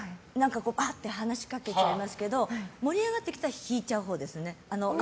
ばーって話しかけちゃいますけど盛り上がってきたら引いちゃうほうですね。